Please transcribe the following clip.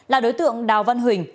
là đối tượng đào văn huỳnh